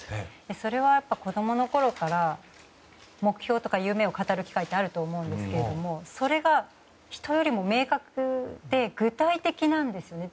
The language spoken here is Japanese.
それは、子供のころから目標とか夢を語る機会ってあると思うんですけどそれが人よりも明確で具体的なんですよね。